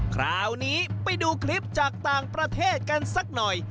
คราวนี้ไปดูคลิปจากต่างประเทศกันสักหน่อย